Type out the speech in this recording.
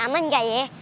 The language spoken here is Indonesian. aman enggak ya